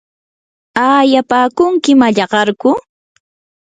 ¿aayapaakunki mallaqarku?